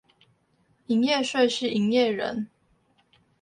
營業稅是營業人